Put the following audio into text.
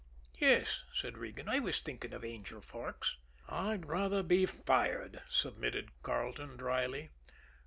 "Yes," said Regan. "I was thinking of Angel Forks." "I'd rather be fired," submitted Carleton dryly.